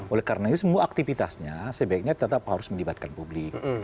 oleh karena itu semua aktivitasnya sebaiknya tetap harus melibatkan publik